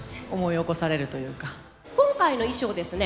今回の衣装ですね